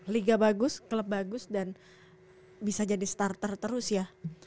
liga bagus klub bagus dan bisa jadi starter terus ya